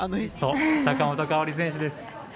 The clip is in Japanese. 坂本花織選手です。